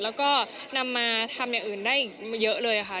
แล้วก็นำมาทำอย่างอื่นได้เยอะเลยค่ะ